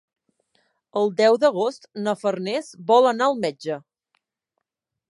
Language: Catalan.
El deu d'agost na Farners vol anar al metge.